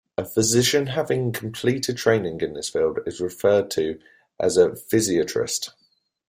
A physician having completed training in this field is referred to as a physiatrist.